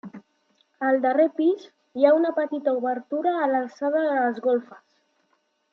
Al darrer pis, hi ha una petita obertura a l'alçada de les golfes.